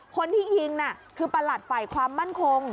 คนที่ยิงน่ะคือประหลัดฝ่ายความมั่นคง